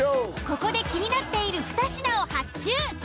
ここで気になっている２品を発注。